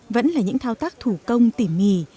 vẫn là những thao tác thủ công tỉ mì